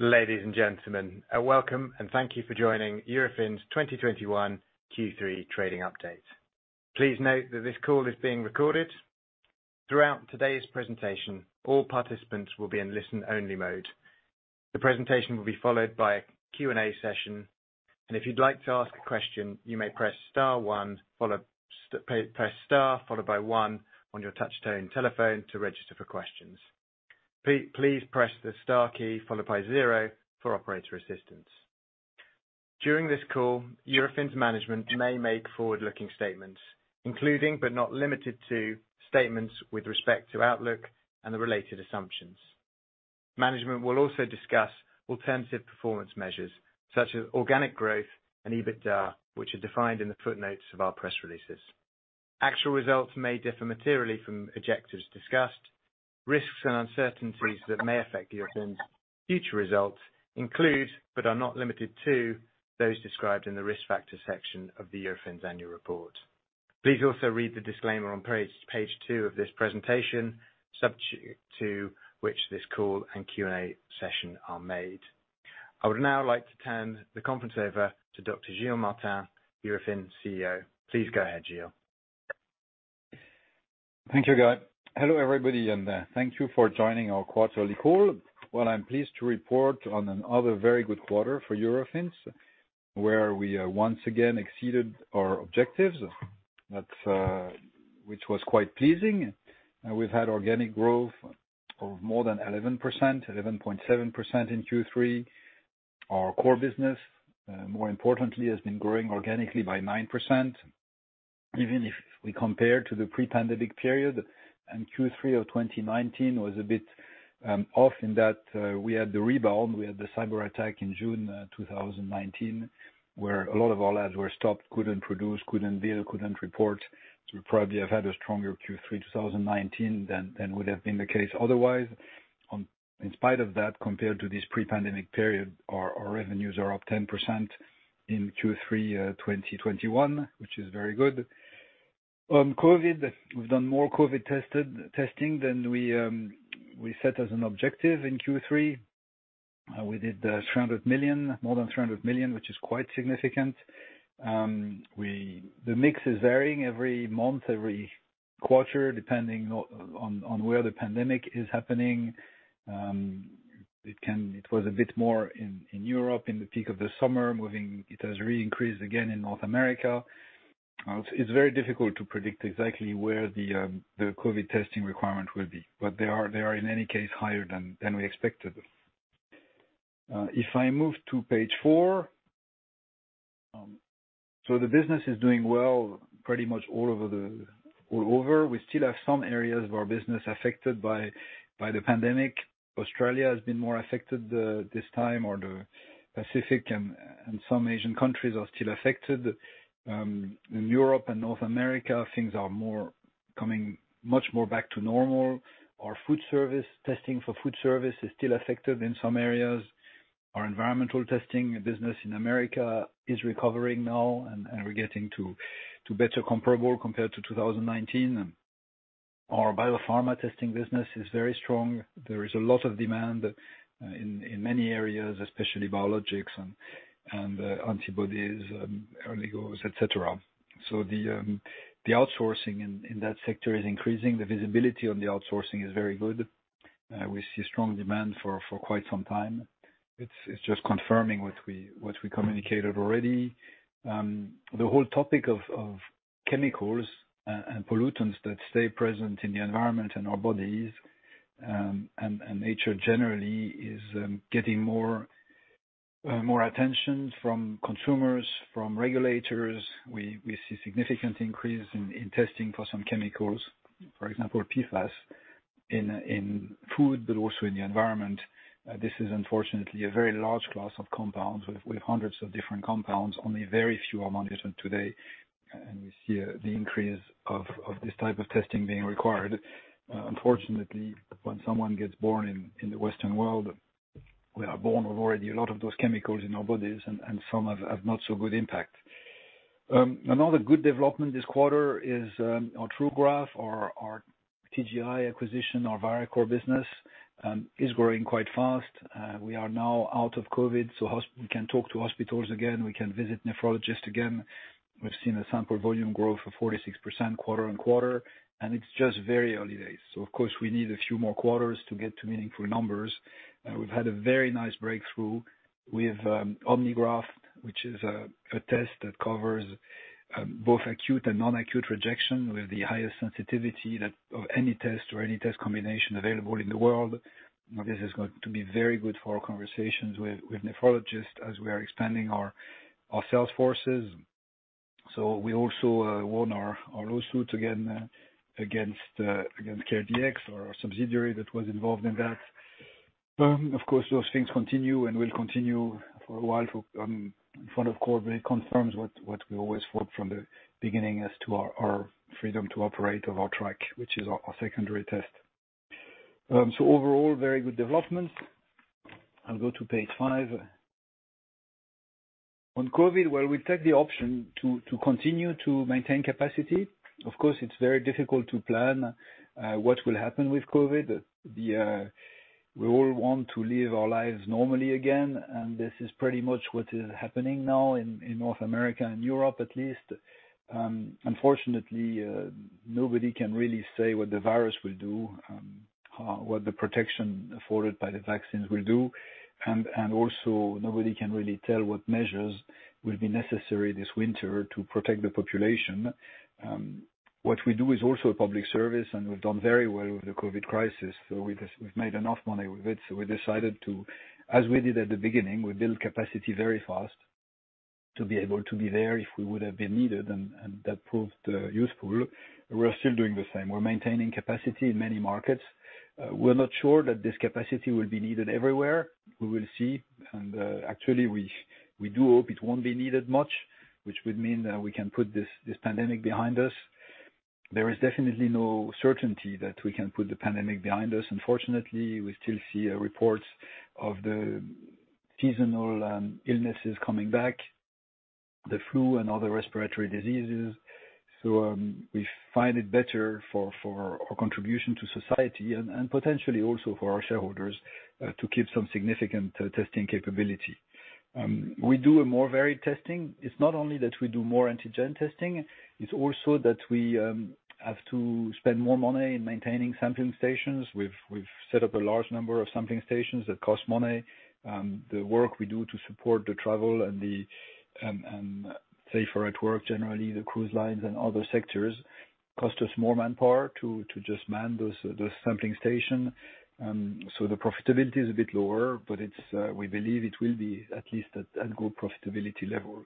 Ladies and gentlemen, welcome and thank you for joining Eurofins' 2021 Q3 trading update. Please note that this call is being recorded. Throughout today's presentation, all participants will be in listen-only mode. The presentation will be followed by a Q&A session, and if you'd like to ask a question, you may press star followed by one on your touch-tone telephone to register for questions. Please press the star key followed by zero for operator assistance. During this call, Eurofins management may make forward-looking statements, including but not limited to statements with respect to outlook and the related assumptions. Management will also discuss alternative performance measures such as organic growth and EBITDA, which are defined in the footnotes of our press releases. Actual results may differ materially from objectives discussed. Risks and uncertainties that may affect Eurofins' future results include, but are not limited to, those described in the risk factors section of the Eurofins annual report. Please also read the disclaimer on page two of this presentation, subject to which this call and Q&A session are made. I would now like to turn the conference over to Dr. Gilles Martin, Eurofins CEO. Please go ahead, Gilles. Thank you, Guy. Hello, everybody, and thank you for joining our quarterly call. I'm pleased to report on another very good quarter for Eurofins, where I once again exceeded our objectives, which was quite pleasing. We’ve had organic growth of more than 11%, 11.7% in Q3. Our core business, more importantly, has been growing organically by 9%, even if we compare to the pre-pandemic period, and Q3 of 2019 was a bit off in that we had the rebound. We had the cyber attack in June 2019, where a lot of our labs were stopped, couldn't produce, couldn't build, couldn't report. We probably have had a stronger Q3 2019 than would have been the case otherwise. In spite of that, compared to this pre-pandemic period, our revenues are up 10% in Q3 2021, which is very good. COVID, we've done more COVID testing than we set as an objective in Q3. We did more than 300 million, which is quite significant. The mix is varying every month, every quarter, depending on where the pandemic is happening. It was a bit more in Europe in the peak of the summer. It has really increased again in North America. It's very difficult to predict exactly where the COVID testing requirement will be, but they are, in any case, higher than we expected. I move to page four. The business is doing well pretty much all over. We still have some areas of our business affected by the pandemic. Australia has been more affected this time, or the Pacific, and some Asian countries are still affected. In Europe and North America, things are coming much more back to normal. Our food service testing for food service is still affected in some areas. Our environmental testing business in America is recovering now, and we're getting to better comparable compared to 2019. Our Biopharma testing business is very strong. There is a lot of demand in many areas, especially biologics and antibodies, oligos, et cetera. The outsourcing in that sector is increasing. The visibility on the outsourcing is very good. We see strong demand for quite some time. It's just confirming what we communicated already. The whole topic of chemicals and pollutants that stay present in the environment and our bodies, and nature generally, is getting more attention from consumers, from regulators. We see significant increase in testing for some chemicals, for example, PFAS in food, but also in the environment. This is unfortunately a very large class of compounds with hundreds of different compounds. Only very few are monitored today, and we see the increase of this type of testing being required. Unfortunately, when someone gets born in the Western world, we are born with already a lot of those chemicals in our bodies, and some have not-so-good impact. Another good development this quarter is our TruGraf or our TGI acquisition, our Viracor business, is growing quite fast. We are now out of COVID, so we can talk to hospitals again, we can visit nephrologists again. We've seen a sample volume growth of 46% quarter-on-quarter, and it's just very early days. Of course, we need a few more quarters to get to meaningful numbers. We've had a very nice breakthrough with OmniGraf, which is a test that covers both acute and non-acute rejection with the highest sensitivity of any test or any test combination available in the world. This is going to be very good for our conversations with nephrologists as we are expanding our sales forces. We also won our lawsuit against CareDx or a subsidiary that was involved in that. Of course, those things continue and will continue for a while in front of court, but it confirms what we always thought from the beginning as to our freedom to operate of our TRAC, which is our secondary test. Overall, very good developments. I'll go to page five. On COVID, well, we take the option to continue to maintain capacity. Of course, it's very difficult to plan what will happen with COVID. We all want to live our lives normally again, and this is pretty much what is happening now in North America and Europe, at least. Unfortunately, nobody can really say what the virus will do, what the protection afforded by the vaccines will do, and also nobody can really tell what measures will be necessary this winter to protect the population. What we do is also a public service, and we've done very well with the COVID crisis, so we've made enough money with it. We decided to, as we did at the beginning, we build capacity very fast to be able to be there if we would have been needed. That proved useful. We're still doing the same. We're maintaining capacity in many markets. We're not sure that this capacity will be needed everywhere. We will see. Actually, we do hope it won't be needed much, which would mean that we can put this pandemic behind us. There is definitely no certainty that we can put the pandemic behind us. Unfortunately, we still see reports of the seasonal illnesses coming back, the flu and other respiratory diseases. We find it better for our contribution to society and potentially also for our shareholders, to keep some significant testing capability. We do a more varied testing. It's not only that we do more antigen testing, it's also that we have to spend more money in maintaining sampling stations. We've set up a large number of sampling stations that cost money. The work we do to support the travel and safer at work, generally, the cruise lines and other sectors, cost us more manpower to just man those sampling station. The profitability is a bit lower, but we believe it will be at least at good profitability level.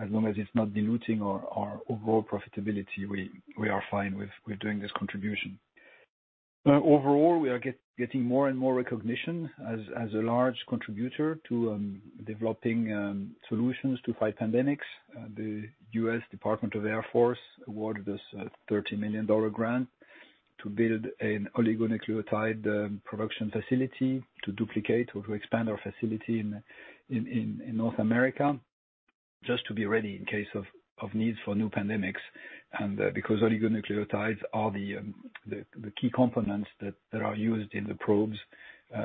As long as it's not diluting our overall profitability, we are fine with doing this contribution. Overall, we are getting more and more recognition as a large contributor to developing solutions to fight pandemics. The United States Department of the Air Force awarded us a $30 million grant to build an oligonucleotide production facility to duplicate or to expand our facility in North America just to be ready in case of needs for new pandemics. Because oligonucleotides are the key components that are used in the probes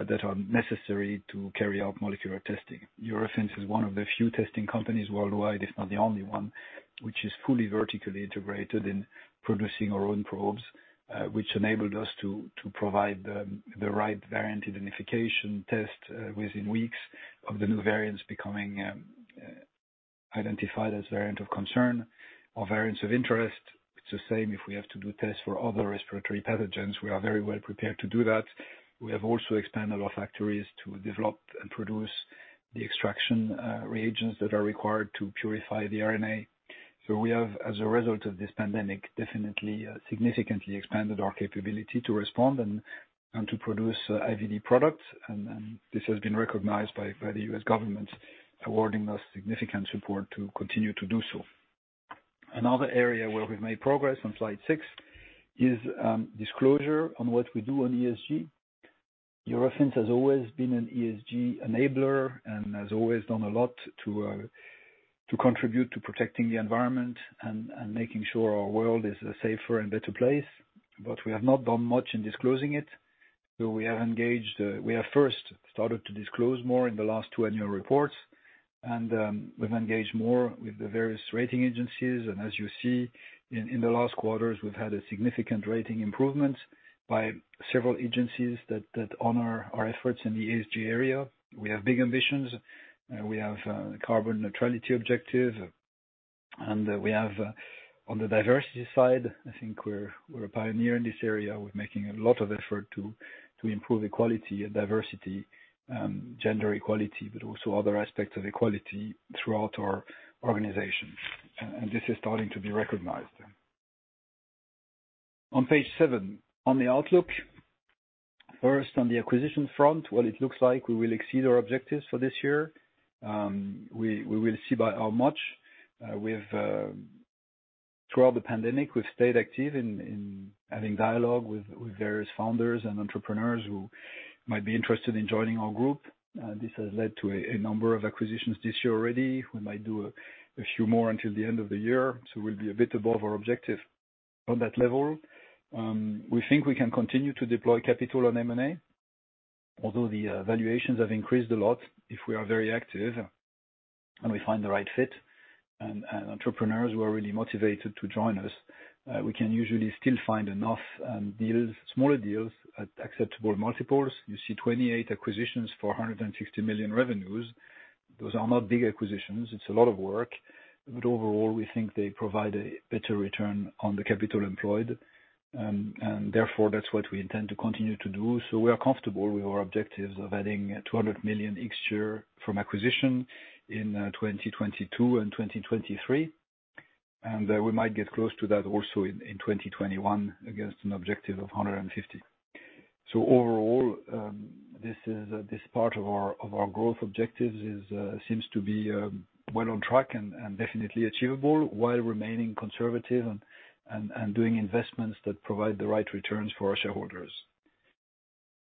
that are necessary to carry out molecular testing. Eurofins is one of the few testing companies worldwide, if not the only one, which is fully vertically integrated in producing our own probes, which enabled us to provide the right variant identification test within weeks of the new variants becoming identified as Variant of Concern or Variants of Interest. It's the same if we have to do tests for other respiratory pathogens. We are very well prepared to do that. We have also expanded our factories to develop and produce the extraction reagents that are required to purify the RNA. We have, as a result of this pandemic, definitely significantly expanded our capability to respond and to produce IVD products. This has been recognized by the U.S. government awarding us significant support to continue to do so. Another area where we've made progress on slide 6 is disclosure on what we do on ESG. Eurofins has always been an ESG enabler and has always done a lot to contribute to protecting the environment and making sure our world is a safer and better place. We have not done much in disclosing it. We have first started to disclose more in the last two annual reports, and we've engaged more with the various rating agencies, and as you see, in the last quarters, we've had a significant rating improvement by several agencies that honor our efforts in the ESG area. We have big ambitions. We have carbon neutrality objective, and we have on the diversity side, I think we're a pioneer in this area. We're making a lot of effort to improve equality and diversity, gender equality, but also other aspects of equality throughout our organization. This is starting to be recognized. On page seven, on the outlook. First on the acquisition front, well it looks like we will exceed our objectives for this year. We will see by how much. Throughout the pandemic, we've stayed active in having dialogue with various founders and entrepreneurs who might be interested in joining our group. This has led to a number of acquisitions this year already. We might do a few more until the end of the year, so we'll be a bit above our objective on that level. We think we can continue to deploy capital on M&A. Although the valuations have increased a lot, if we are very active and we find the right fit and entrepreneurs who are really motivated to join us, we can usually still find enough deals, smaller deals at acceptable multiples. You see 28 acquisitions for 160 million revenues. Those are not big acquisitions. It's a lot of work, but overall, we think they provide a better return on the capital employed. Therefore, that's what we intend to continue to do. We are comfortable with our objectives of adding 200 million each year from acquisition in 2022 and 2023. We might get close to that also in 2021 against an objective of 150. Overall, this part of our growth objectives seems to be well on track and definitely achievable while remaining conservative and doing investments that provide the right returns for our shareholders.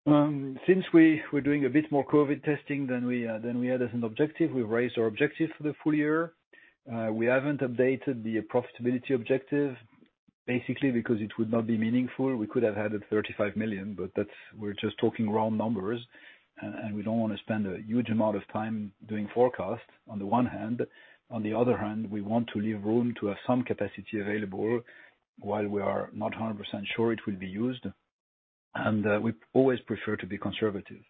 Since we're doing a bit more COVID testing than we had as an objective, we've raised our objective for the full year. We haven't updated the profitability objective, basically because it would not be meaningful. We could have had it 35 million, but we're just talking round numbers, and we don't want to spend a huge amount of time doing forecast, on the one hand. On the other hand, we want to leave room to have some capacity available while we are not 100% sure it will be used. We always prefer to be conservative.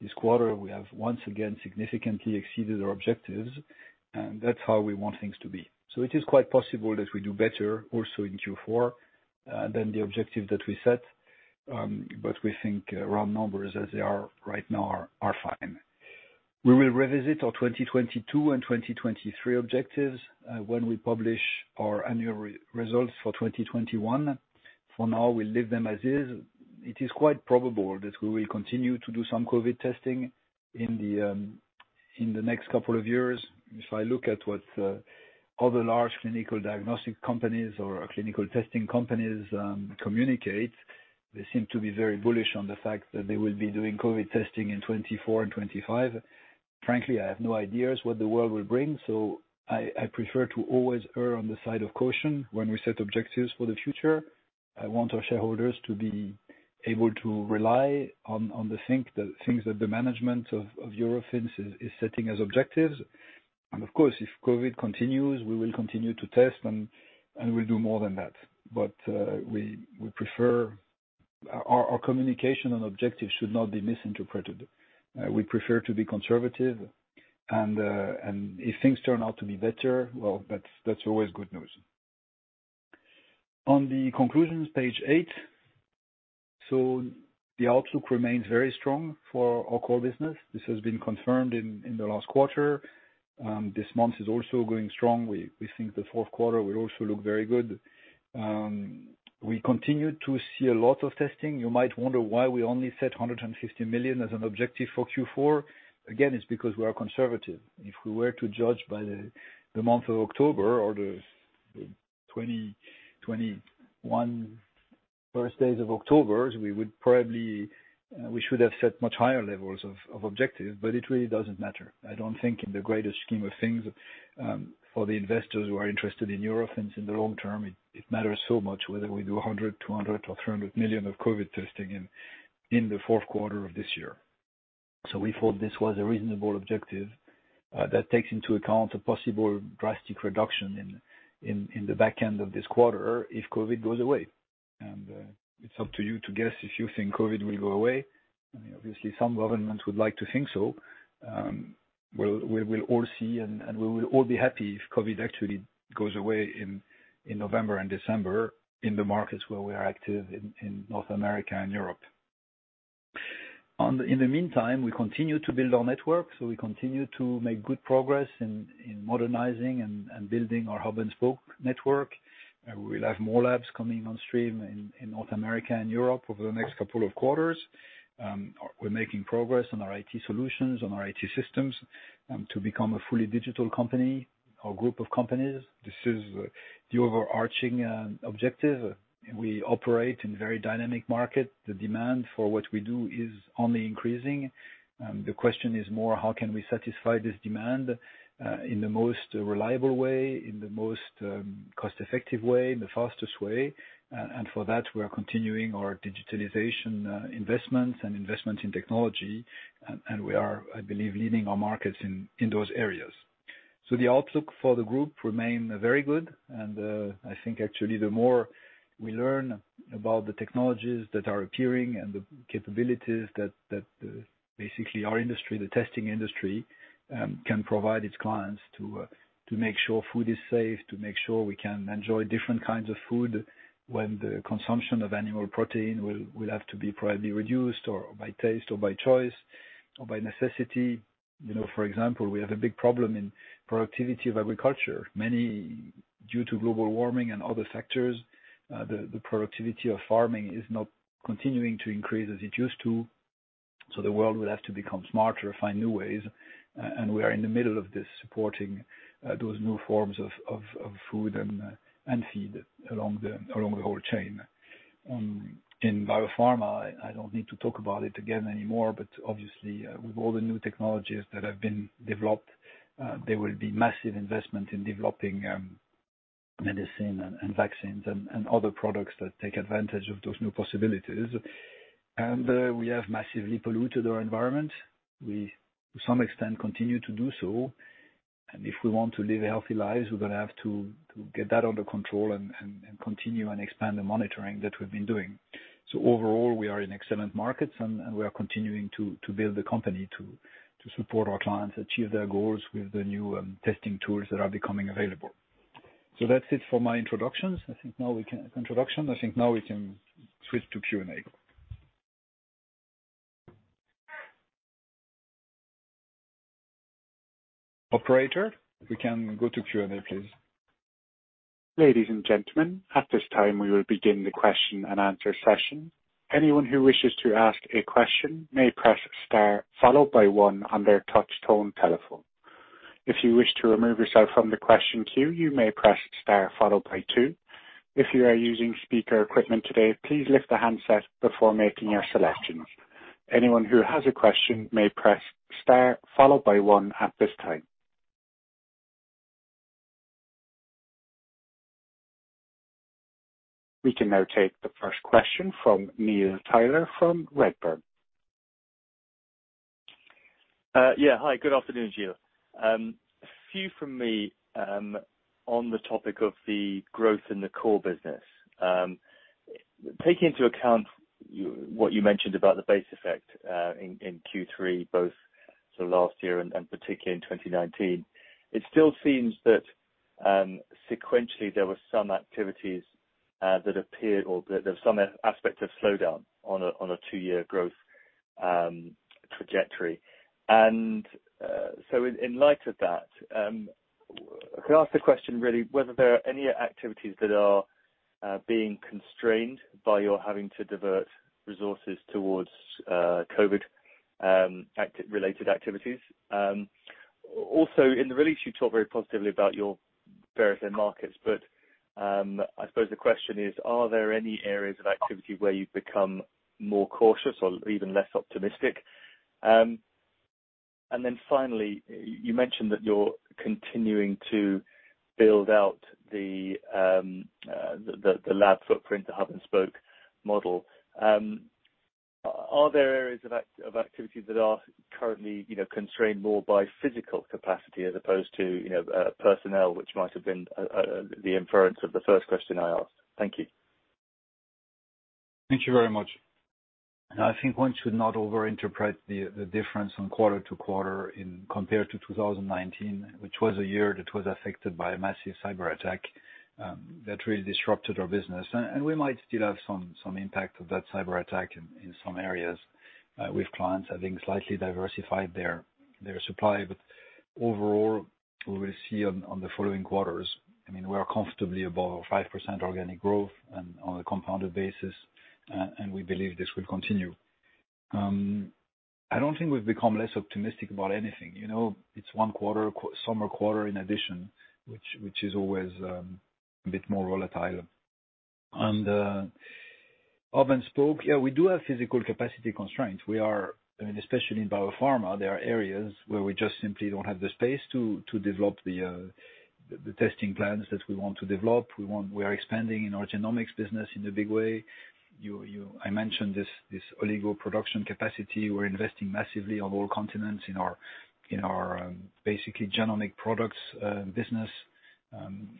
This quarter, we have once again significantly exceeded our objectives, and that's how we want things to be. It is quite possible that we do better also in Q4 than the objective that we set. We think round numbers as they are right now are fine. We will revisit our 2022 and 2023 objectives when we publish our annual results for 2021. For now, we'll leave them as is. It is quite probable that we will continue to do some COVID testing in the next couple of years. If I look at what other large clinical diagnostic companies or clinical testing companies communicate, they seem to be very bullish on the fact that they will be doing COVID testing in 2024 and 2025. Frankly, I have no ideas what the world will bring, I prefer to always err on the side of caution when we set objectives for the future. I want our shareholders to be able to rely on the things that the management of Eurofins is setting as objectives. Of course, if COVID continues, we will continue to test, and we'll do more than that. Our communication and objectives should not be misinterpreted. We prefer to be conservative, and if things turn out to be better, well, that's always good news. On the conclusions, page eight. The outlook remains very strong for our core business. This has been confirmed in the last quarter. This month is also going strong. We think the fourth quarter will also look very good. We continue to see a lot of testing. You might wonder why we only set 150 million as an objective for Q4. Again, it's because we are conservative. If we were to judge by the month of October or the 2021 first days of October 2021, we should have set much higher levels of objective, but it really doesn't matter. I don't think in the greater scheme of things, for the investors who are interested in Eurofins in the long term, it matters so much whether we do 100 million, 200 million, or 300 million of COVID testing in the fourth quarter of this year. We thought this was a reasonable objective that takes into account a possible drastic reduction in the back end of this quarter if COVID goes away. It's up to you to guess if you think COVID will go away. Obviously, some governments would like to think so. We'll all see, and we will all be happy if COVID actually goes away in November and December in the markets where we are active in North America and Europe. In the meantime, we continue to build our network. We continue to make good progress in modernizing and building our hub and spoke network. We will have more labs coming on stream in North America and Europe over the next couple of quarters. We're making progress on our IT solutions, on our IT systems, to become a fully digital company or group of companies. This is the overarching objective. We operate in very dynamic market. The demand for what we do is only increasing. The question is more how can we satisfy this demand, in the most reliable way, in the most cost-effective way, in the fastest way. For that, we are continuing our digitalization investments and investment in technology, and we are, I believe, leading our markets in those areas. The outlook for the group remain very good, and I think actually the more we learn about the technologies that are appearing and the capabilities that basically our industry, the testing industry, can provide its clients to make sure food is safe, to make sure we can enjoy different kinds of food when the consumption of animal protein will have to be probably reduced or by taste or by choice or by necessity. For example, we have a big problem in productivity of agriculture. Due to global warming and other factors, the productivity of farming is not continuing to increase as it used to. The world will have to become smarter, find new ways, and we are in the middle of this, supporting those new forms of food and feed along the whole chain. In biopharma, I don't need to talk about it again anymore, but obviously, with all the new technologies that have been developed, there will be massive investment in developing medicine and vaccines and other products that take advantage of those new possibilities. We have massively polluted our environment. We, to some extent, continue to do so. If we want to live healthy lives, we're going to have to get that under control and continue and expand the monitoring that we've been doing. Overall, we are in excellent markets, and we are continuing to build the company to support our clients achieve their goals with the new testing tools that are becoming available. That's it for my introductions. I think now we can switch to Q&A. Operator, if we can go to Q&A, please. Ladies and gentlemen, at this time, we will begin the question and answer session. Anyone who wishes askes a question may press star followed by one on their tuchtone telephone? We can now take the first question from Neil Tyler from Redburn. Yeah. Hi, good afternoon, Gilles. A few from me on the topic of the growth in the core business. Taking into account what you mentioned about the base effect, in Q3, both so last year and particularly in 2019, it still seems that sequentially there were some activities that appeared or that there's some aspect of slowdown on a two-year growth trajectory. In light of that, can I ask the question really whether there are any activities that are being constrained by your having to divert resources towards COVID-related activities? In the release, you talked very positively about your various end markets, but, I suppose the question is, are there any areas of activity where you've become more cautious or even less optimistic? Finally, you mentioned that you're continuing to build out the lab footprint, the hub and spoke model. Are there areas of activities that are currently constrained more by physical capacity as opposed to personnel, which might have been the inference of the first question I asked? Thank you. Thank you very much. I think one should not over-interpret the difference from quarter to quarter compared to 2019, which was a year that was affected by a massive cyberattack, that really disrupted our business. We might still have some impact of that cyberattack in some areas, with clients having slightly diversified their supply. Overall, we will see on the following quarters, we are comfortably above our 5% organic growth and on a compounded basis, and we believe this will continue. I don't think we've become less optimistic about anything. It's one quarter, summer quarter in addition, which is always a bit more volatile. On the hub and spoke, yeah, we do have physical capacity constraints. Especially in biopharma, there are areas where we just simply don't have the space to develop the testing plans that we want to develop. We are expanding in our genomics business in a big way. I mentioned this Oligo production capacity. We're investing massively on all continents in our basically genomic products business.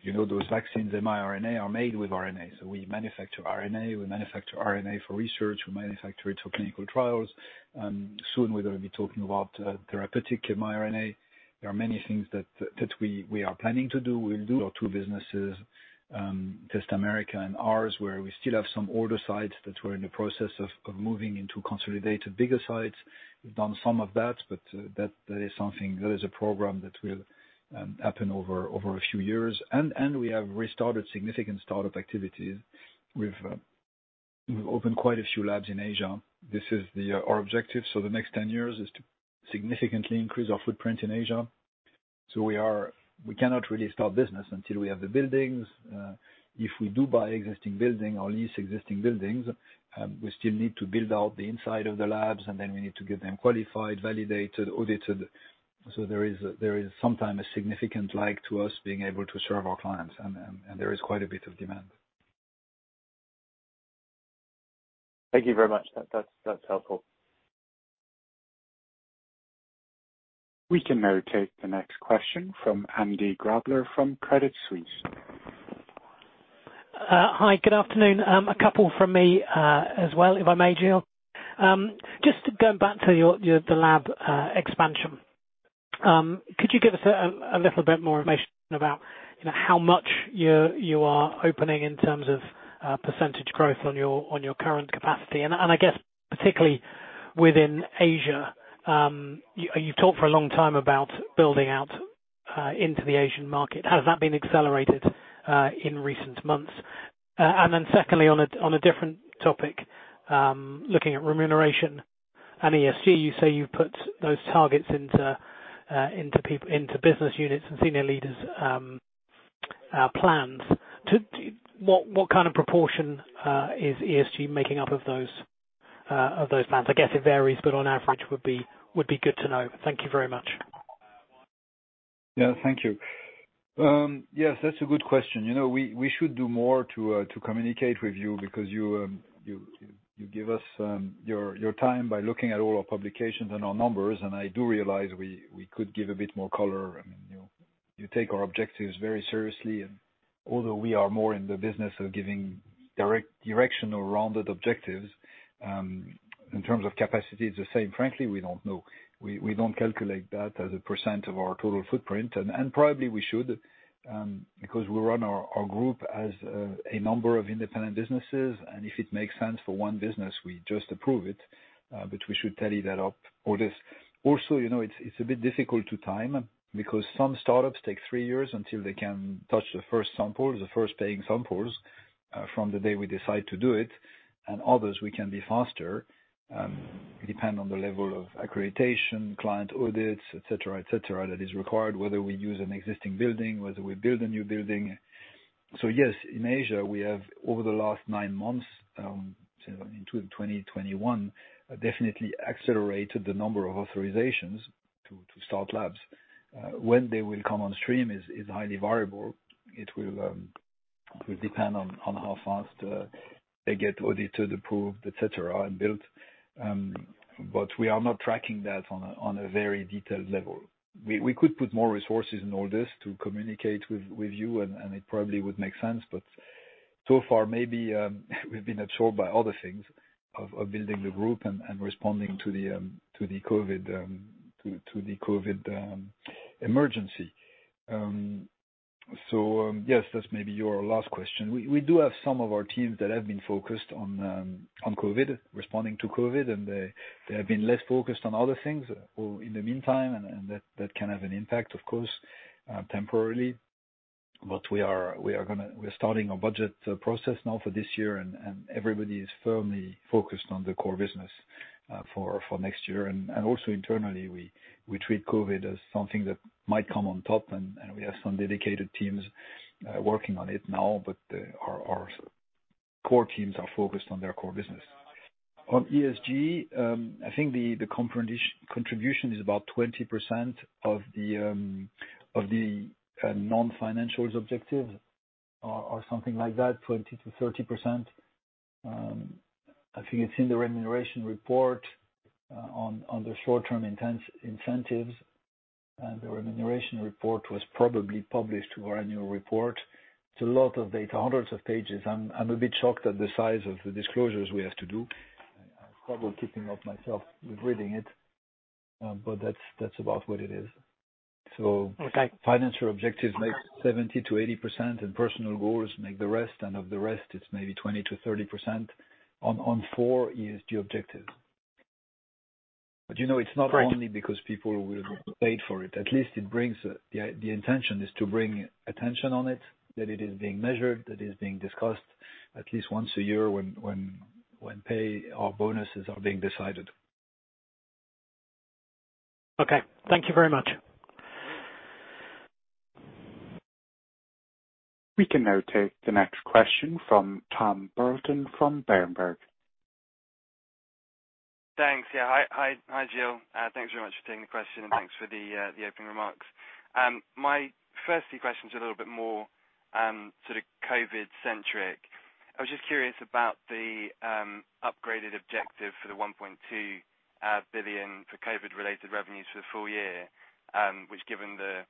Those vaccines, mRNA, are made with RNA. We manufacture RNA, we manufacture RNA for research, we manufacture it for clinical trials, and soon we're going to be talking about therapeutic mRNA. There are many things that we are planning to do. We do our two businesses, TestAmerica and ours, where we still have some older sites that we're in the process of moving into consolidate to bigger sites. We've done some of that, but that is a program that will happen over a few years. We have restarted significant startup activities. We've opened quite a few labs in Asia. This is our objective, so the next 10 years is to significantly increase our footprint in Asia. We cannot really start business until we have the buildings. If we do buy existing building or lease existing buildings, we still need to build out the inside of the labs, and then we need to get them qualified, validated, audited. There is sometimes a significant lag to us being able to serve our clients, and there is quite a bit of demand. Thank you very much. That's helpful. We can now take the next question from Andy Grobler from Credit Suisse. Hi, good afternoon. 2 from me, as well, if I may, Gilles. Going back to the lab expansion. Could you give us a little bit more information about how much you are opening in terms of percentage growth on your current capacity, and I guess particularly within Asia. You've talked for a long time about building out into the Asian market. Has that been accelerated in recent months? Secondly, on a different topic, looking at remuneration and ESG, you say you've put those targets into business units and senior leaders' plans. What kind of proportion is ESG making up of those plans? I guess it varies, but on average would be good to know. Thank you very much. Yeah, thank you. Yes, that's a good question. We should do more to communicate with you because you give us your time by looking at all our publications and our numbers, and I do realize we could give a bit more color. You take our objectives very seriously, and although we are more in the business of giving direction or rounded objectives, in terms of capacity, it's the same. Frankly, we don't know. We don't calculate that as a % of our total footprint, and probably we should, because we run our group as a number of independent businesses, and if it makes sense for one business, we just approve it, but we should tally that up. It's a bit difficult to time because some startups take three years until they can touch the first sample, the first paying samples. From the day we decide to do it, others we can be faster. It depends on the level of accreditation, client audits, et cetera, that is required, whether we use an existing building, whether we build a new building. Yes, in Asia, we have over the last 9 months, in 2021, definitely accelerated the number of authorizations to start labs. When they will come on stream is highly variable. It will depend on how fast they get audited, approved, et cetera, and built. We are not tracking that on a very detailed level. We could put more resources in order to communicate with you, and it probably would make sense, but so far maybe we've been absorbed by other things, of building the group and responding to the COVID emergency. Yes, that's maybe your last question. We do have some of our teams that have been focused on COVID, responding to COVID, and they have been less focused on other things, or in the meantime, and that can have an impact, of course, temporarily. We're starting our budget process now for this year and everybody is firmly focused on the core business for next year. Also internally, we treat COVID as something that might come on top, and we have some dedicated teams working on it now. Our core teams are focused on their core business. On ESG, I think the contribution is about 20% of the non-financial objectives or something like that, 20%-30%. I think it's in the remuneration report, on the short-term incentives. The remuneration report was probably published to our annual report. It's a lot of data, hundreds of pages. I'm a bit shocked at the size of the disclosures we have to do. I have trouble keeping up myself with reading it. That's about what it is. Okay. Financial objectives make 70%-80% and personal goals make the rest, and of the rest, it's maybe 20%-30% on 4 ESG objectives. Right only because people will get paid for it. At least the intention is to bring attention on it, that it is being measured, that it is being discussed at least once a year when pay or bonuses are being decided. Okay. Thank you very much. We can now take the next question from Tom Burlton from Berenberg. Thanks. Yeah. Hi, Gilles. Thanks very much for taking the question, and thanks for the opening remarks. My first few questions are a little bit more sort of COVID-centric. I was just curious about the upgraded objective for the 1.2 billion for COVID-related revenues for the full year, which given the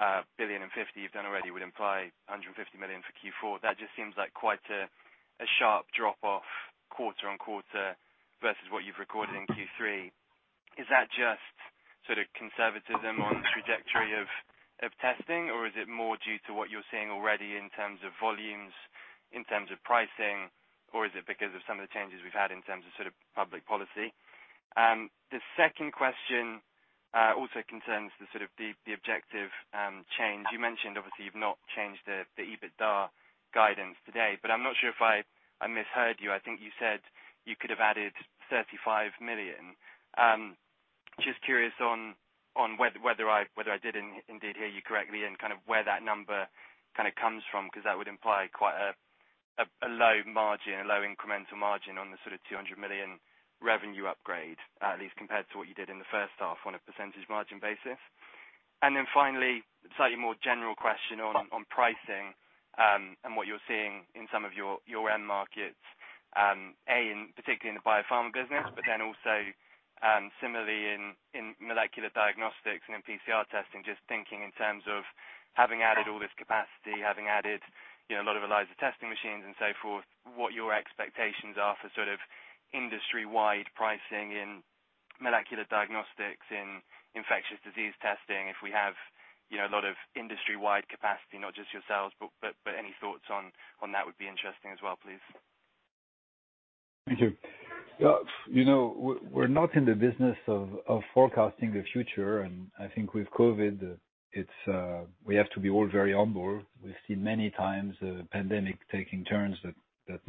1.05 billion you've done already, would imply 150 million for Q4. That just seems like quite a sharp drop-off quarter-on-quarter versus what you've recorded in Q3. Is that just sort of conservatism on the trajectory of testing, or is it more due to what you're seeing already in terms of volumes, in terms of pricing, or is it because of some of the changes we've had in terms of sort of public policy? The second question also concerns the objective change. You mentioned, obviously, you've not changed the EBITDA guidance today, but I'm not sure if I misheard you. I think you said you could have added 35 million. Just curious on whether I did indeed hear you correctly and kind of where that number kind of comes from, because that would imply quite a low margin, a low incremental margin on the sort of 200 million revenue upgrade, at least compared to what you did in the first half on a percentage margin basis. Finally, slightly more general question on pricing and what you're seeing in some of your end markets. In particularly in the biopharma business, also similarly in molecular diagnostics and in PCR testing, just thinking in terms of having added all this capacity, having added a lot of ELISA testing machines and so forth, what your expectations are for sort of industry-wide pricing in molecular diagnostics, in infectious disease testing, if we have a lot of industry-wide capacity, not just yourselves, but any thoughts on that would be interesting as well, please? Thank you. We're not in the business of forecasting the future, and I think with COVID, we have to be all very humble. We've seen many times a pandemic taking turns that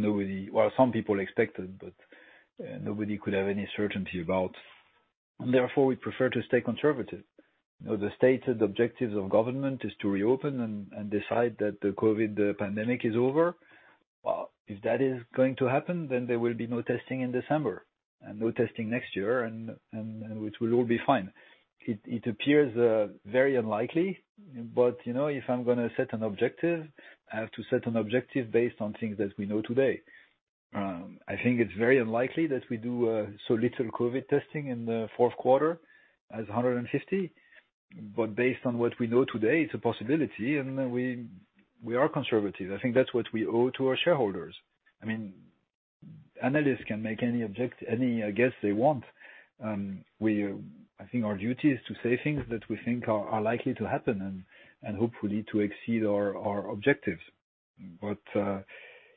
some people expected, but nobody could have any certainty about, and therefore, we prefer to stay conservative. The stated objectives of government is to reopen and decide that the COVID pandemic is over. Well, if that is going to happen, then there will be no testing in December and no testing next year, and which we'll all be fine. It appears very unlikely, but if I'm going to set an objective, I have to set an objective based on things as we know today. I think it's very unlikely that we do so little COVID testing in the fourth quarter as 150. Based on what we know today, it's a possibility, and we are conservative. I think that's what we owe to our shareholders. Analysts can make any guess they want. I think our duty is to say things that we think are likely to happen and hopefully to exceed our objectives.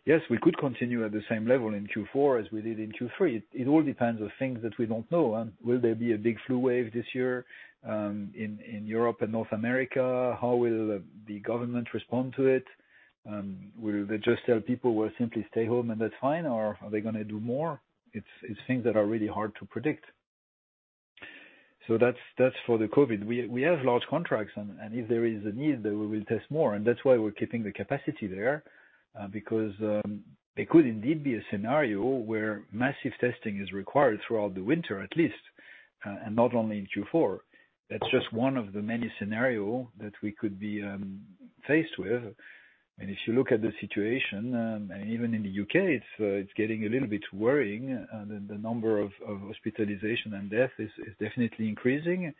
Yes, we could continue at the same level in Q4 as we did in Q3. It all depends on things that we don't know. Will there be a big flu wave this year in Europe and North America? How will the government respond to it? Will they just tell people, "Well, simply stay home and that's fine," or are they going to do more? It's things that are really hard to predict. That's for the COVID. We have large contracts. If there is a need, we will test more, and that's why we're keeping the capacity there, because there could indeed be a scenario where massive testing is required throughout the winter, at least, and not only in Q4. That's just one of the many scenarios that we could be faced with. If you look at the situation, even in the U.K., it's getting a little bit worrying. The number of hospitalizations and deaths is definitely increasing.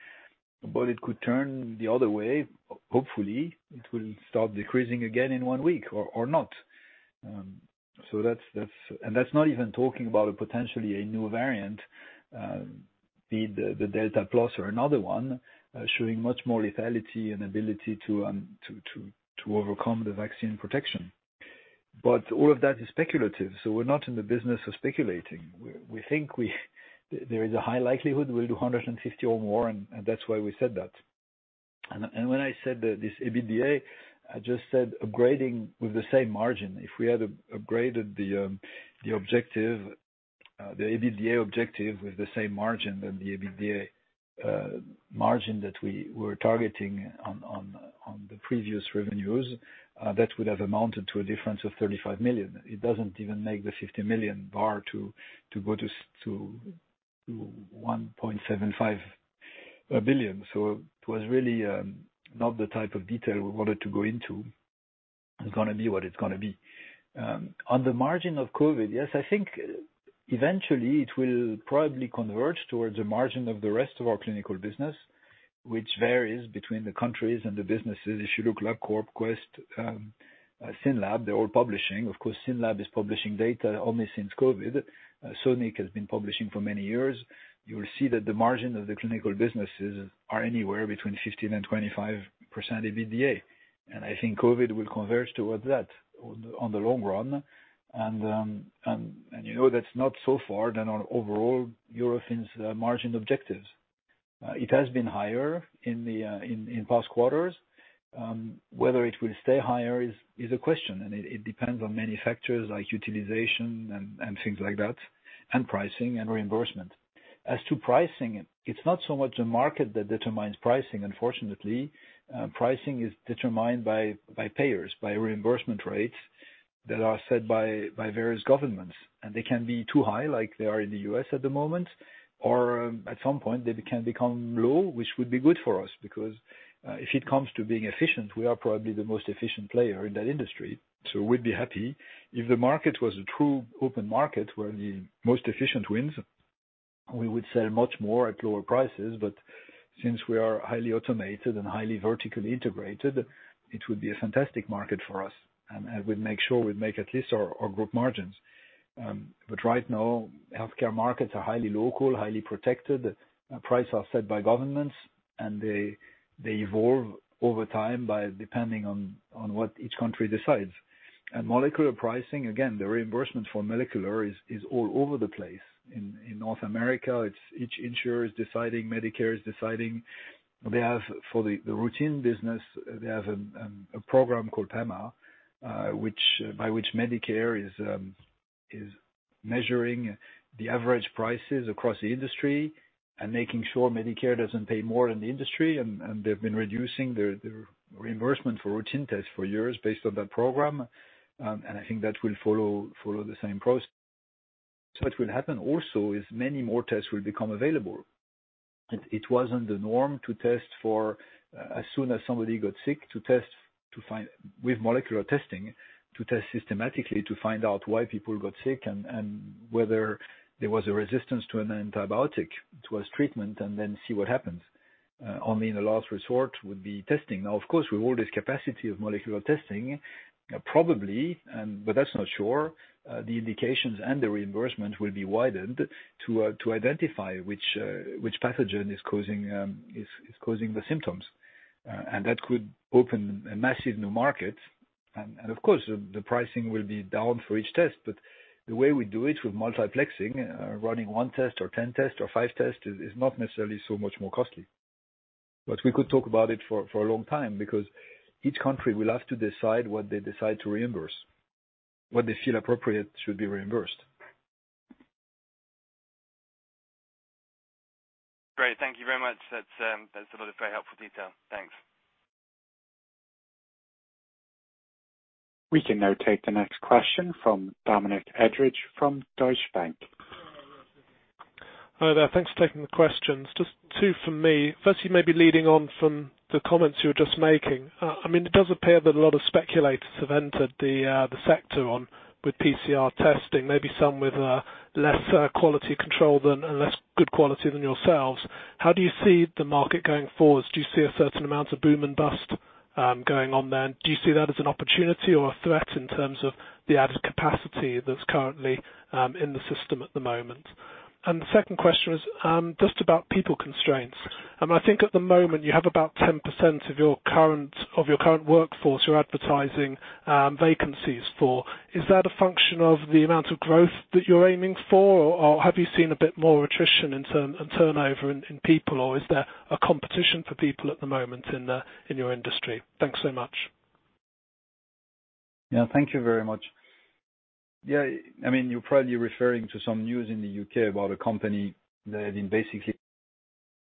It could turn the other way. Hopefully, it will start decreasing again in one week or not. That's not even talking about potentially a new variant, be the Delta Plus or another one, showing much more lethality and ability to overcome the vaccine protection. All of that is speculative. We're not in the business of speculating. We think there is a high likelihood we'll do 150 or more, and that's why we said that. When I said this EBITDA, I just said upgrading with the same margin. If we had upgraded the EBITDA objective with the same margin that the EBITDA margin that we were targeting on the previous revenues, that would have amounted to a difference of 35 million. It doesn't even make the 50 million bar to go to 1.75 billion. It was really not the type of detail we wanted to go into. It's going to be what it's going to be. On the margin of COVID, yes, I think eventually it will probably converge towards a margin of the rest of our clinical business, which varies between the countries and the businesses. If you look like Quest Diagnostics, Synlab, they're all publishing. Of course, Synlab is publishing data only since COVID. Sonic has been publishing for many years. You will see that the margin of the clinical businesses are anywhere between 15% and 25% EBITDA. I think COVID will converge towards that on the long run. You know that's not so far than our overall Eurofins margin objectives. It has been higher in past quarters. Whether it will stay higher is a question, and it depends on many factors like utilization and things like that, and pricing and reimbursement. As to pricing, it's not so much the market that determines pricing, unfortunately. Pricing is determined by payers, by reimbursement rates that are set by various governments, and they can be too high like they are in the U.S. at the moment, or at some point, they can become low, which would be good for us, because if it comes to being efficient, we are probably the most efficient player in that industry. We'd be happy. If the market was a true open market where the most efficient wins, we would sell much more at lower prices. Since we are highly automated and highly vertically integrated, it would be a fantastic market for us, and we'd make sure we make at least our group margins. Right now, healthcare markets are highly local, highly protected. Prices are set by governments, and they evolve over time by depending on what each country decides. Molecular pricing, again, the reimbursement for molecular is all over the place. In North America, each insurer is deciding, Medicare is deciding. For the routine business, they have a program called TEMAR, by which Medicare is measuring the average prices across the industry and making sure Medicare doesn't pay more than the industry. They've been reducing their reimbursement for routine tests for years based on that program. I think that will follow the same process. What will happen also is many more tests will become available. It wasn't the norm to test for, as soon as somebody got sick, with molecular testing, to test systematically to find out why people got sick and whether there was a resistance to an antibiotic towards treatment and then see what happens. Only in a last resort would be testing. Now, of course, with all this capacity of molecular testing, probably, but that's not sure, the indications and the reimbursement will be widened to identify which pathogen is causing the symptoms. That could open a massive new market. Of course, the pricing will be down for each test. The way we do it with multiplexing, running one test or 10 tests or five tests is not necessarily so much more costly. We could talk about it for a long time because each country will have to decide what they decide to reimburse, what they feel appropriate should be reimbursed. Great. Thank you very much. That's a lot of very helpful detail. Thanks. We can now take the next question from Dominic Edridge from Deutsche Bank. Hi there. Thanks for taking the questions. Just 2 from me. Firstly, maybe leading on from the comments you were just making. It does appear that a lot of speculators have entered the sector with PCR testing, maybe some with less quality control and less good quality than yourselves. How do you see the market going forward? Do you see a certain amount of boom and bust going on then? Do you see that as an opportunity or a threat in terms of the added capacity that's currently in the system at the moment? The second question is just about people constraints. I think at the moment you have about 10% of your current workforce you're advertising vacancies for. Is that a function of the amount of growth that you're aiming for, or have you seen a bit more attrition and turnover in people, or is there a competition for people at the moment in your industry? Thanks so much. Yeah. Thank you very much. You're probably referring to some news in the U.K. about a company that had basically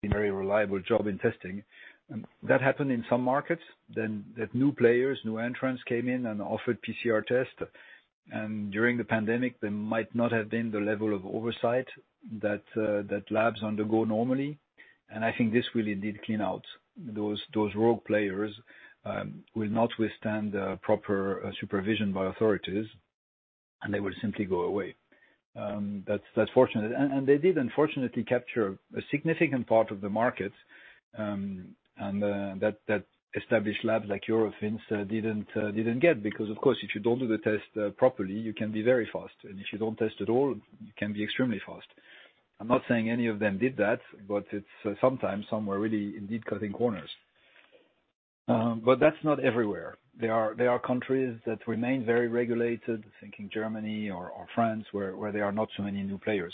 done a very reliable job in testing. That happened in some markets, new players, new entrants came in and offered PCR tests. During the pandemic, there might not have been the level of oversight that labs undergo normally. I think this will indeed clean out. Those rogue players will not withstand proper supervision by authorities, and they will simply go away. That's fortunate. They did, unfortunately, capture a significant part of the market that established labs like Eurofins didn't get because, of course, if you don't do the test properly, you can be very fast. If you don't test at all, you can be extremely fast. I'm not saying any of them did that, but sometimes some were really indeed cutting corners. That's not everywhere. There are countries that remain very regulated, thinking Germany or France, where there are not so many new players.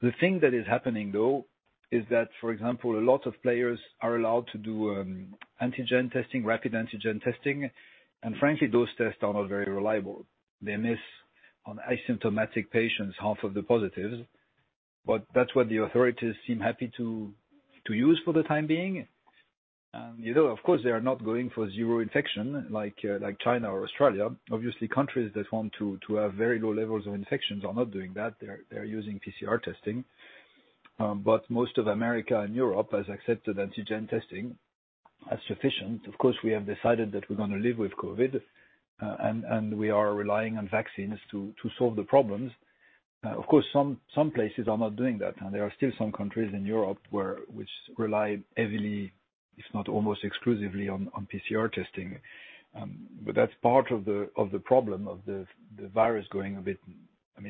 The thing that is happening, though, is that, for example, a lot of players are allowed to do antigen testing, rapid antigen testing. Frankly, those tests are not very reliable. They miss on asymptomatic patients, half of the positives. That's what the authorities seem happy to use for the time being. Of course, they are not going for zero infection like China or Australia. Obviously, countries that want to have very low levels of infections are not doing that. They're using PCR testing. Most of America and Europe has accepted antigen testing as sufficient. Of course, we have decided that we're going to live with COVID, and we are relying on vaccines to solve the problems. Of course, some places are not doing that, and there are still some countries in Europe which rely heavily, if not almost exclusively, on PCR testing. That's part of the problem of the virus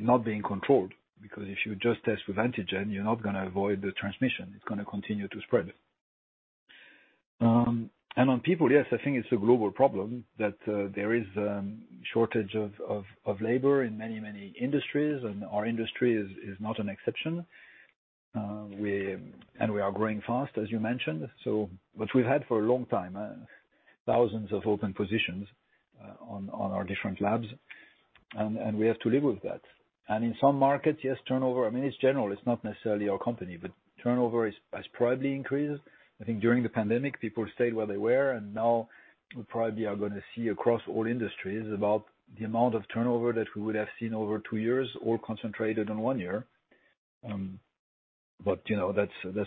not being controlled, because if you just test with antigen, you're not going to avoid the transmission. It's going to continue to spread. On people, yes, I think it's a global problem that there is a shortage of labor in many industries, and our industry is not an exception. We are growing fast, as you mentioned, which we've had for a long time, thousands of open positions on our different labs, and we have to live with that. In some markets, yes, turnover. It's general, it's not necessarily our company, but turnover has probably increased. I think during the pandemic, people stayed where they were, and now we probably are going to see across all industries about the amount of turnover that we would have seen over two years all concentrated in one year. That's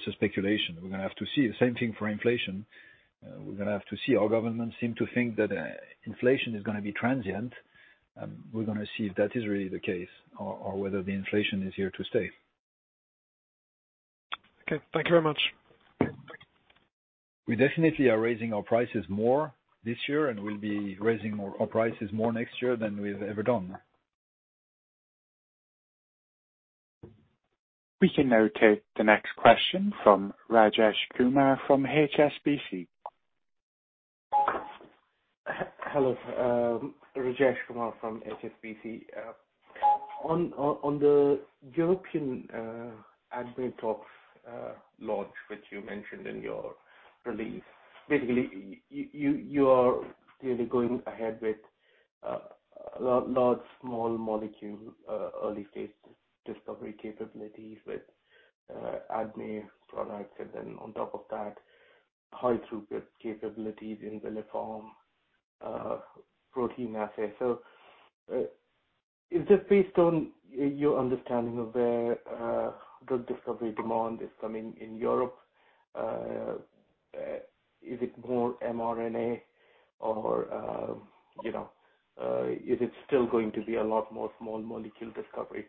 a speculation. We're going to have to see. The same thing for inflation. We're going to have to see. Our governments seem to think that inflation is going to be transient. We're going to see if that is really the case or whether the inflation is here to stay. Okay. Thank you very much. We definitely are raising our prices more this year, and we'll be raising our prices more next year than we've ever done. We can now take the next question from Rajesh Kumar from HSBC. Hello. Rajesh Kumar from HSBC. On the European ADME-Tox launch, which you mentioned in your release, basically, you are clearly going ahead with large, small molecule early phase discovery capabilities with ADME products, and then on top of that, high-throughput capabilities in the form protein assay. Is this based on your understanding of where drug discovery demand is coming in Europe? Is it more mRNA or is it still going to be a lot more small molecule discovery?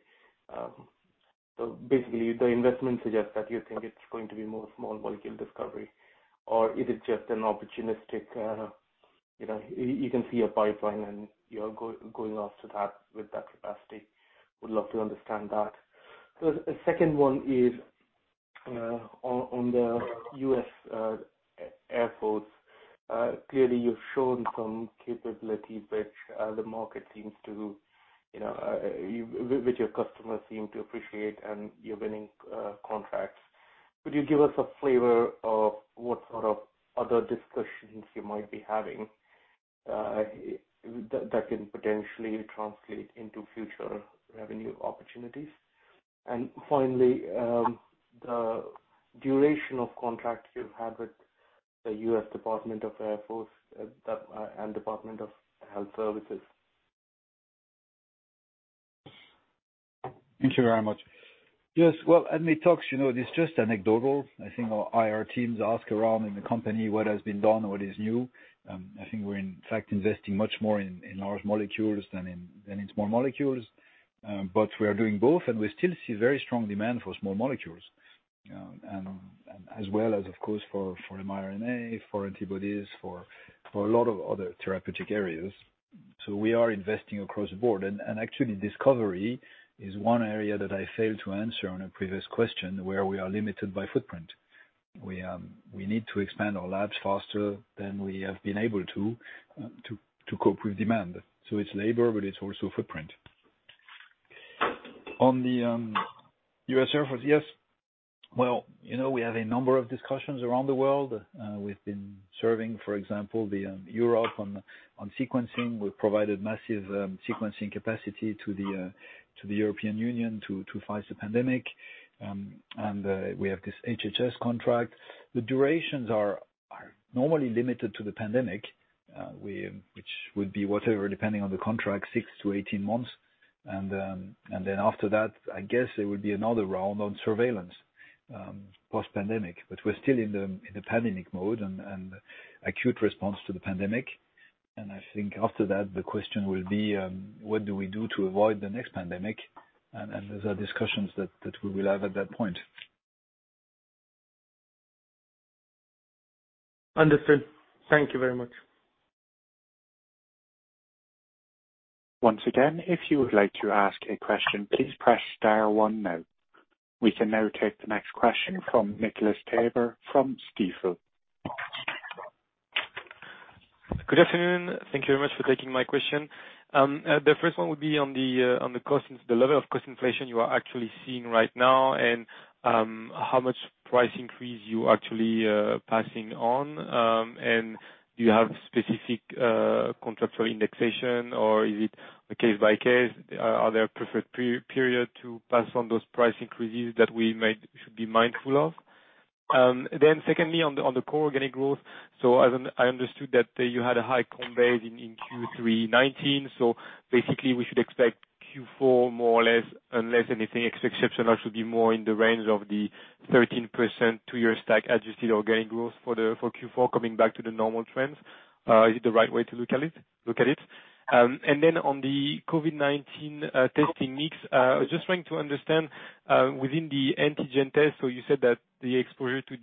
Basically, the investment suggests that you think it's going to be more small molecule discovery, or is it just an opportunistic, you can see a pipeline and you're going after that with that capacity. Would love to understand that. The second one is on the U.S. Air Force, clearly you've shown some capabilities which your customers seem to appreciate, and you're winning contracts. Could you give us a flavor of what sort of other discussions you might be having that can potentially translate into future revenue opportunities? Finally, the duration of contracts you have with the U.S. Department of the Air Force and Department of Health and Human Services. Thank you very much. Yes. Well, ADME-Tox, it is just anecdotal. I think our IR teams ask around in the company what has been done or what is new. I think we're in fact investing much more in large molecules than in small molecules. We are doing both, and we still see very strong demand for small molecules, as well as, of course, for mRNA, for antibodies, for a lot of other therapeutic areas. We are investing across the board. Actually, discovery is one area that I failed to answer on a previous question where we are limited by footprint. We need to expand our labs faster than we have been able to cope with demand. It's labor, but it's also footprint. On the U.S. Air Force, yes. Well, we have a number of discussions around the world. We've been serving, for example, Europe on sequencing. We've provided massive sequencing capacity to the European Union to fight the pandemic. We have this HHS contract. The durations are normally limited to the pandemic, which would be whatever, depending on the contract, six-18 months. After that, I guess there would be another round on surveillance post-pandemic. We're still in the pandemic mode and acute response to the pandemic. I think after that, the question will be, what do we do to avoid the next pandemic? Those are discussions that we will have at that point. Understood. Thank you very much. Once again, if you would like to ask a question, please press star one now. We can now take the next question from Nicolas Tabor from Stifel. Good afternoon. Thank you very much for taking my question. The first one would be on the level of cost inflation you are actually seeing right now and how much price increase you actually passing on. Do you have specific contractual indexation, or is it a case by case? Are there preferred period to pass on those price increases that we should be mindful of? Secondly, on the core organic growth. I understood that you had a high compare in Q3 2019. Basically we should expect Q4 more or less, unless anything exceptional, should be more in the range of the 13% two-year stack adjusted organic growth for Q4 coming back to the normal trends. Is it the right way to look at it? On the COVID-19 testing mix, I was just trying to understand within the antigen test. You said that the exposure to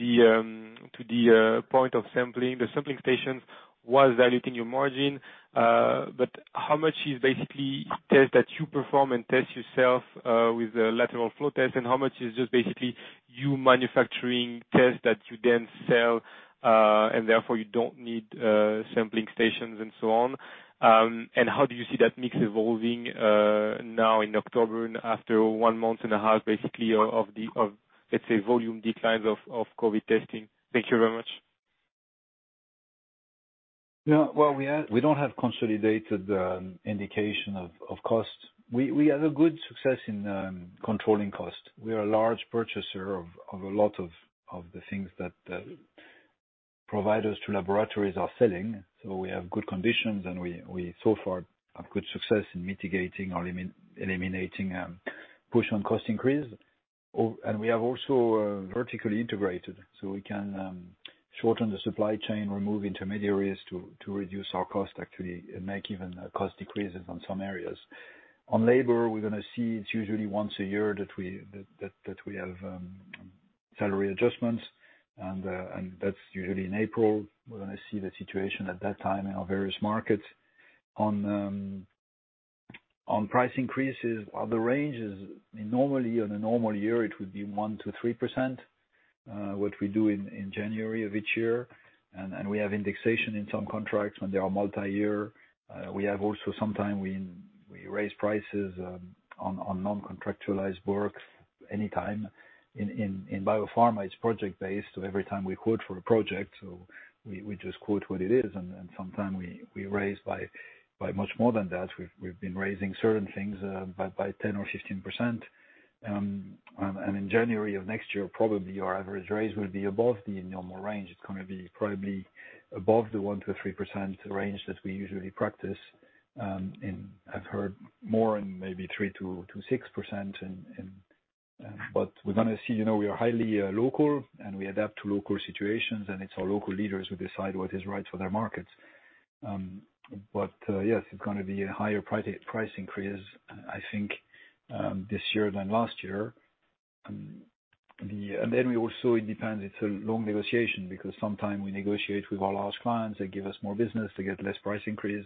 the point of sampling, the sampling stations was diluting your margin. How much is basically tests that you perform and test yourself with a lateral flow test, and how much is just basically you manufacturing tests that you then sell, and therefore you don't need sampling stations and so on? How do you see that mix evolving now in October and after one month and a half, basically, of let's say volume declines of COVID testing? Thank you very much. Well, we don't have consolidated indication of cost. We have a good success in controlling cost. We are a large purchaser of a lot of the things that providers to laboratories are selling. We have good conditions, and we so far have good success in mitigating or eliminating push on cost increase. We have also vertically integrated, so we can shorten the supply chain, remove intermediaries to reduce our cost, actually make even cost decreases on some areas. On labor, we're going to see it's usually once a year that we have salary adjustments, and that's usually in April. We're going to see the situation at that time in our various markets. On price increases, the range is normally on a normal year, it would be 1%-3%, what we do in January of each year. We have indexation in some contracts when they are multi-year. We have also sometime we raise prices on non-contractualized works anytime. In biopharma, it's project-based, so every time we quote for a project, so we just quote what it is, and sometime we raise by much more than that. We've been raising certain things by 10% or 15%. In January of next year, probably our average raise will be above the normal range. It's going to be probably above the 1%-3% range that we usually practice. I've heard more in maybe 3%-6%. We're going to see. We are highly local, and we adapt to local situations, and it's our local leaders who decide what is right for their markets. Yes, it's going to be a higher price increase, I think, this year than last year. Then we also, it depends. It's a long negotiation because sometimes we negotiate with our large clients. They give us more business, they get less price increase,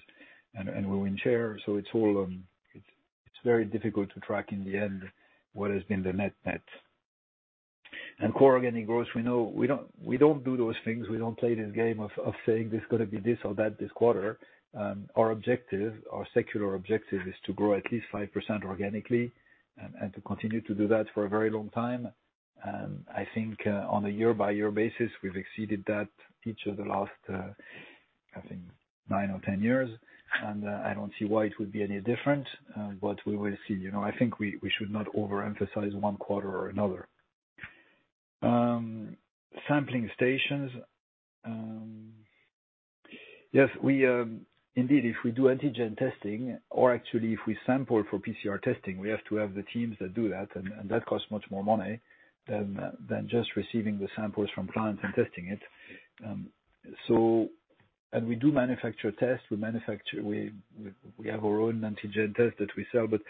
and we win share. It's very difficult to track in the end what has been the net. Core organic growth, we don't do those things. We don't play this game of saying, "This is going to be this or that this quarter." Our objective, our secular objective, is to grow at least 5% organically and to continue to do that for a very long time. I think on a year by year basis, we've exceeded that each of the last, I think, nine or 10 years. I don't see why it would be any different. We will see. I think we should not overemphasize one quarter or another. Sampling stations. Indeed, if we do antigen testing or actually if we sample for PCR testing, we have to have the teams that do that, and that costs much more money than just receiving the samples from clients and testing it. We do manufacture tests. We have our own antigen test that we sell, but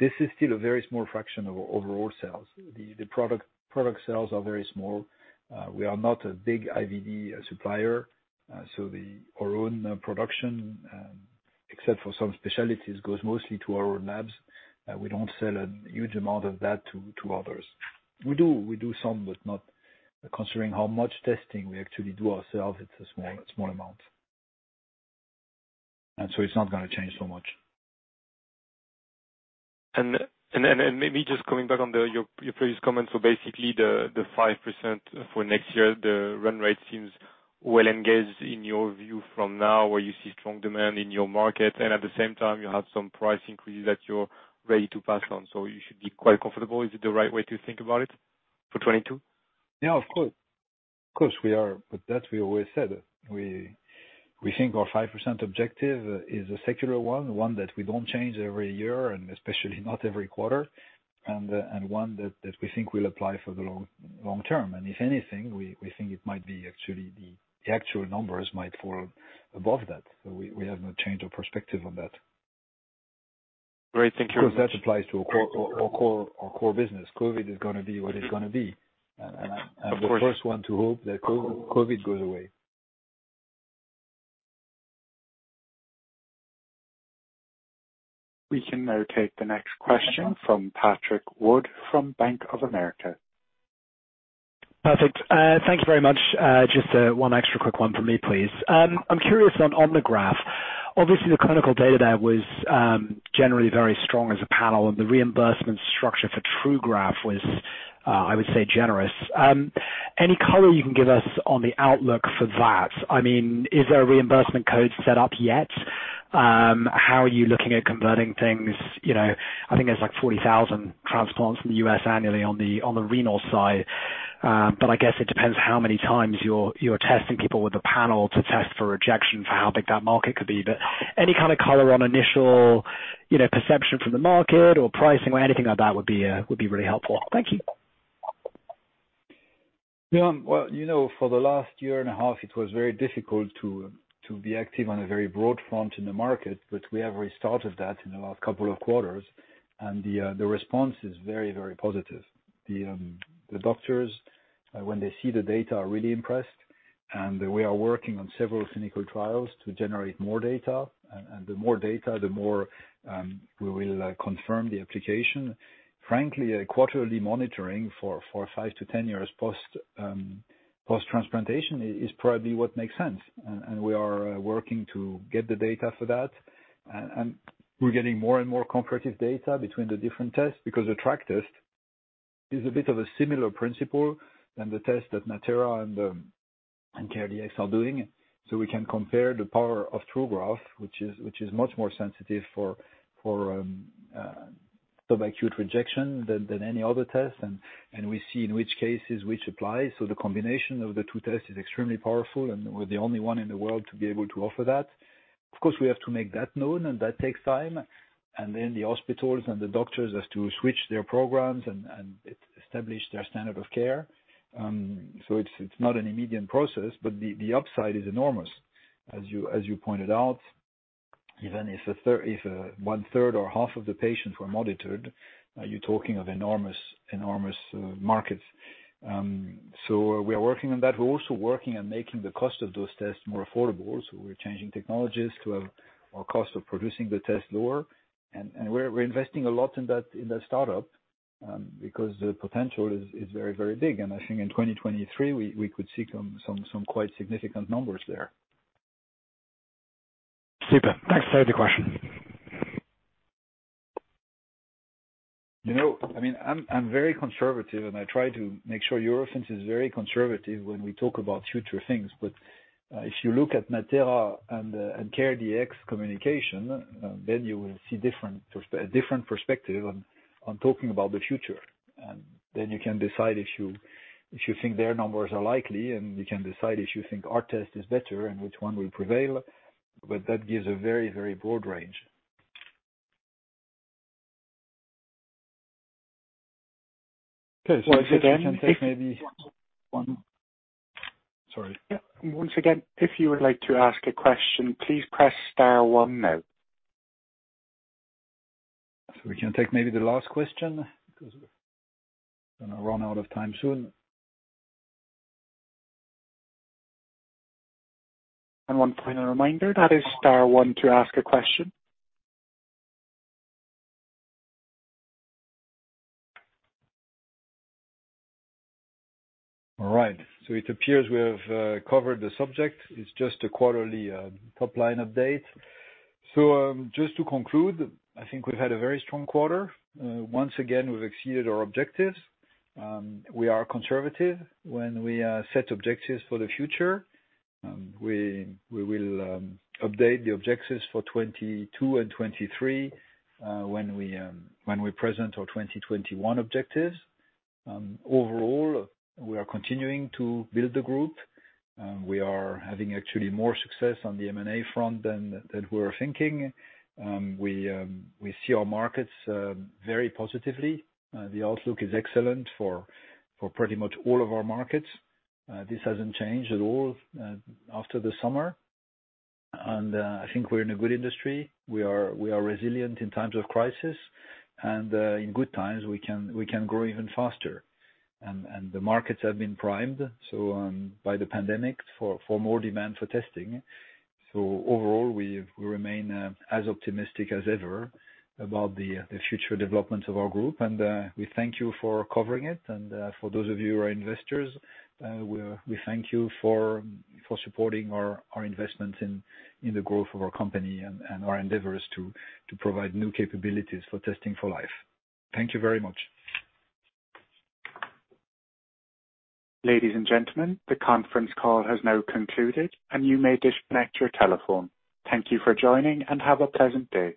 this is still a very small fraction of our overall sales. The product sales are very small. We are not a big IVD supplier. Our own production, except for some specialties, goes mostly to our own labs. We don't sell a huge amount of that to others. We do some, but not considering how much testing we actually do ourselves. It's a small amount. It's not going to change so much. Maybe just coming back on your previous comment. Basically, the 5% for next year, the run rate seems well engaged in your view from now, where you see strong demand in your market. At the same time, you have some price increases that you're ready to pass on, so you should be quite comfortable. Is it the right way to think about it for 2022? Yeah, of course. Of course, we are. With that, we always said, we think our 5% objective is a secular one that we don't change every year and especially not every quarter, and one that we think will apply for the long term. If anything, we think the actual numbers might fall above that. We have not changed our perspective on that. Great. Thank you. Of course, that applies to our core business. COVID is going to be what it's going to be. Of course. I'm the first one to hope that COVID goes away. We can now take the next question from Patrick Wood, from Bank of America. Perfect. Thank you very much. Just one extra quick one from me, please. I'm curious on OmniGraf. Obviously, the clinical data there was generally very strong as a panel, and the reimbursement structure for TruGraf was, I would say, generous. Any color you can give us on the outlook for that? Is there a reimbursement code set up yet? How are you looking at converting things? I think there's like 40,000 transplants in the U.S. annually on the renal side. I guess it depends how many times you're testing people with a panel to test for rejection for how big that market could be. Any kind of color on initial perception from the market or pricing or anything like that would be really helpful. Thank you. Well, for the last year and a half, it was very difficult to be active on a very broad front in the market, but we have restarted that in the last couple of quarters, and the response is very, very positive. The doctors, when they see the data, are really impressed, and we are working on several clinical trials to generate more data. The more data, the more we will confirm the application. Frankly, quarterly monitoring for 5 to 10 years post-transplantation is probably what makes sense. We are working to get the data for that. We're getting more and more comparative data between the different tests because TRAC test is a bit of a similar principle than the test that Natera and CareDx are doing. We can compare the power of TruGraf, which is much more sensitive for subacute rejection than any other test. We see in which cases which applies. The combination of the two tests is extremely powerful, and we're the only one in the world to be able to offer that. Of course, we have to make that known, and that takes time. Then the hospitals and the doctors have to switch their programs and establish their standard of care. It's not an immediate process, but the upside is enormous. As you pointed out, even if 1/3 or half of the patients were monitored, you're talking of enormous markets. We are working on that. We're also working on making the cost of those tests more affordable. We're changing technologies to have our cost of producing the test lower. We're investing a lot in that startup, because the potential is very, very big. I think in 2023, we could see some quite significant numbers there. Super. Thanks for the question. I'm very conservative, and I try to make sure Eurofins is very conservative when we talk about future things. If you look at Natera and CareDx communication, then you will see a different perspective on talking about the future. Then you can decide if you think their numbers are likely, and you can decide if you think our test is better and which one will prevail. That gives a very, very broad range. Okay. I think we can take maybe. Sorry. Yeah. Once again, if you would like to ask a question, please press star one now. We can take maybe the last question because we're going to run out of time soon. One final reminder, that is star 1 to ask a question. All right. It appears we have covered the subject. It's just a quarterly top-line update. Just to conclude, I think we've had a very strong quarter. Once again, we've exceeded our objectives. We are conservative when we set objectives for the future. We will update the objectives for 2022 and 2023 when we present our 2021 objectives. Overall, we are continuing to build the group. We are having actually more success on the M&A front than we were thinking. We see our markets very positively. The outlook is excellent for pretty much all of our markets. This hasn't changed at all after the summer. I think we're in a good industry. We are resilient in times of crisis. In good times, we can grow even faster. The markets have been primed by the pandemic for more demand for testing. Overall, we remain as optimistic as ever about the future development of our group. We thank you for covering it. For those of you who are investors, we thank you for supporting our investments in the growth of our company and our endeavors to provide new capabilities for testing for life. Thank you very much. Ladies and gentlemen, the conference call has now concluded, and you may disconnect your telephone. Thank you for joining and have a pleasant day.